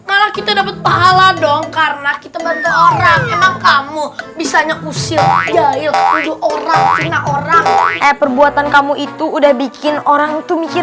orang emang kamu bisanya kusil jahil orang orang perbuatan kamu itu udah bikin orang itu mikir